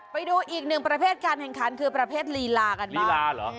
ไปดูอีกหนึ่งประเภทการแข่งขันคือประเภทลีลากันบ้างลีลาเหรอ